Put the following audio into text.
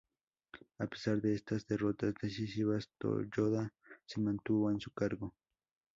A pesar de estas derrotas decisivas, Toyoda se mantuvo en su cargo.